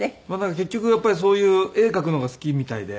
結局やっぱりそういう絵を描くのが好きみたいで。